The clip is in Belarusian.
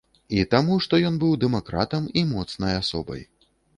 І таму што ён быў дэмакратам і моцнай асобай.